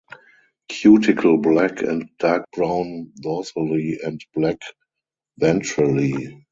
Cuticle black and dark brown dorsally and black ventrally.